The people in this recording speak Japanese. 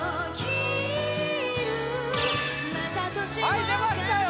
はい出ましたよ